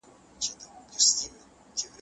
ظالم ته مه تسلیمیږئ.